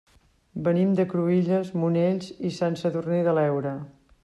Venim de Cruïlles, Monells i Sant Sadurní de l'Heura.